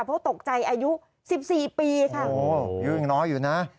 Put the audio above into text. เพราะตกใจอายุสิบสี่ปีค่ะโอ้อายุยังน้อยอยู่นะ